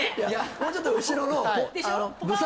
もうちょっと後ろのでしょ